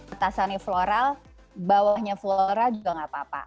atasannya floral bawahnya floral juga nggak apa apa